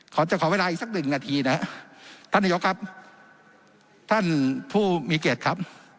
ขอจะขอเวลาอีกสักหนึ่งนาทีนะฮะท่านนายกครับท่านผู้มีเกียรติครับ